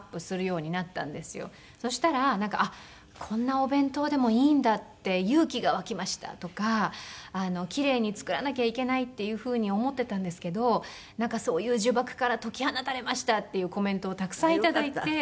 そしたらこんなお弁当でもいいんだって勇気が湧きましたとか奇麗に作らなきゃいけないっていうふうに思ってたんですけどそういう呪縛から解き放たれましたっていうコメントをたくさん頂いて。